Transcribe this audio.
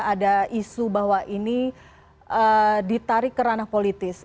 ada isu bahwa ini ditarik ke ranah politis